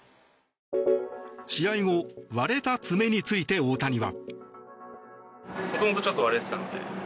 試合後、割れた爪について大谷は。